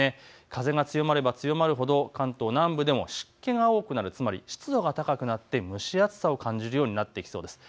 風が強まれば強まるほど関東南部でも湿気が多くなる、湿度が高くなって蒸し暑さを感じてきそうです。